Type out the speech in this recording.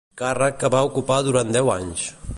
Càrrec que va ocupar durant deu anys.